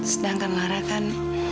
sedangkan lara kan